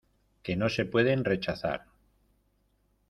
que no se pueden rechazar.